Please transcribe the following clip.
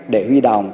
để huy đồng